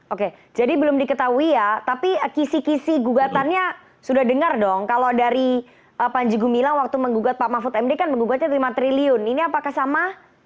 oke jadi belum diketahui ya tapi kisi kisi gugatannya sudah dengar dong kalau dari panji gumilang waktu menggugat pak mahfud md kan menggugatnya lima triliun ini apakah sama